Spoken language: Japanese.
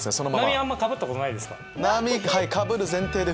あんまかぶったことないですか？